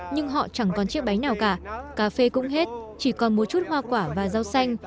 nhưng họ chẳng còn chiếc bánh nào cả cà phê cũng hết chỉ còn một chút hoa quả và rau xanh